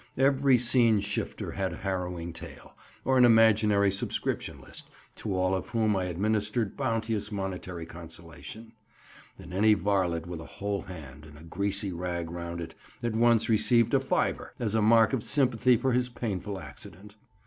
Every scene shifter had a harrowing tale, or an imaginary subscription list, to all of whom I administered bounteous monetary consolation; and any varlet with a whole hand, and a greasy rag round it, at once received a 'fiver' as a mark of sympathy for his painful accident.